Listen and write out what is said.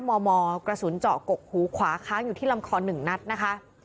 มมกระสุนเจาะกกหูขวาค้างอยู่ที่ลำคอ๑นัดนะคะ